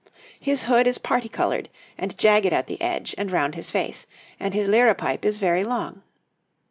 His hood is parti coloured and jagged at the edge and round his face, and his liripipe is very long.